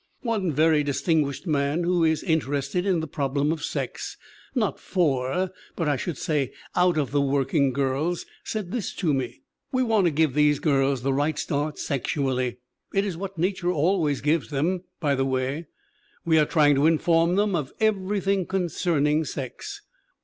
"One very distinguished man who is interested in the problem of sex, not for, but I should say out of the working girls, said this to me :" 'We want to give these girls the right start sexu ally/ (It is what nature always gives them, by the way!) 'We are trying to inform them of everything concerning sex.